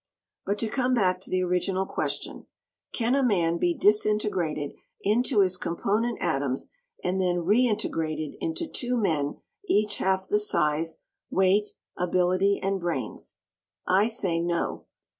But to come back to the original question. Can a man be disintegrated into his component atoms and then reintegrated into two men each half the size, weight, ability and brains? I say no.